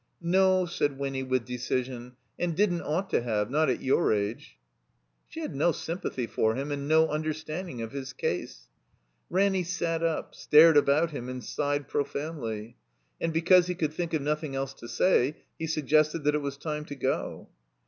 "No," said Winny, with decision. "And didn't ought to have. Not at your age." She had no sympathy for him and no understand ing of his case. Ranny sat up, stared about him, and sighed pro foimdly. And because he could think of nothing else to say he suggested that it was time to go.